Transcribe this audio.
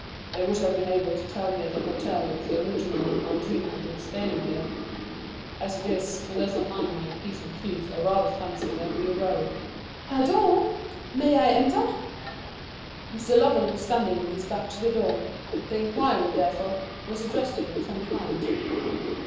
They would have been able to tell me at the hotel if the original of my dream had been staying there. As it is, unless I mind my P's and Q's, I rather fancy there'll be a row." "Pardon! may I enter?" Mr. Lovell was standing with his back to the door. The inquiry, therefore, was addressed to him from behind.